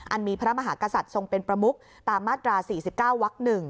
มีพระมหากษัตริย์ทรงเป็นประมุกตามมาตรา๔๙วัก๑